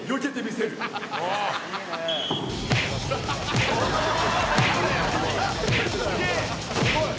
「すごい！」